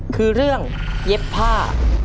คือเรื่องเย็บผ้า